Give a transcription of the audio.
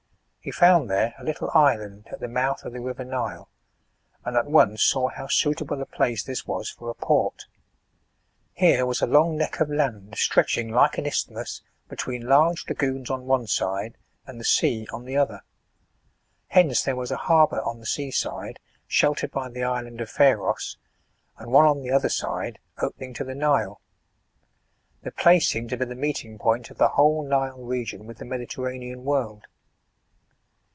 He found there a little island, at the mouth of the river Nile, and at once saw how suitable a place this was for a port. Here was a long neck of land stretching, like an isthmus, between large lagoons on one side, and the sea on the o^her. Hence there was a harbour on the sea side, sheltered by the island of Pharos, and one on the other ide, opening to the Nile. The place seemed to be the meeting point of the whole Nile region, with the Medi terranean world.